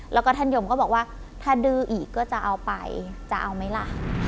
แล้วก็ท่านยมก็บอกว่าถ้าดื้ออีกก็จะเอาไปจะเอาไหมล่ะ